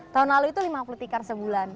tahun lalu itu lima puluh tikar sebulan